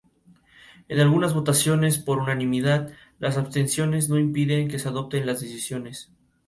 En algunas votaciones por unanimidad, las abstenciones no impiden que se adopten las decisiones.